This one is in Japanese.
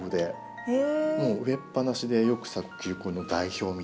植えっぱなしでよく咲く球根の代表みたいな。